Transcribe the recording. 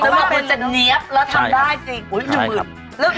จริงหรือว่าคุณจะเนี๊ยบแล้วทำได้จริง